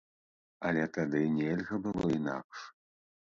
Але тады нельга было інакш.